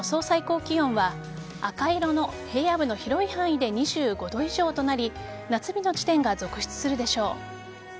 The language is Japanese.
最高気温は赤色の平野部の広い範囲で２５度以上となり夏日の地点が続出するでしょう。